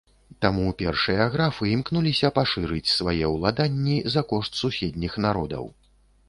Таму першыя графы імкнуліся пашырыць свае ўладанні за кошт суседніх народаў.